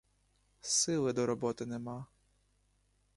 Сили до роботи нема.